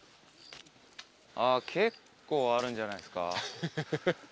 あ結構あるんじゃないですか。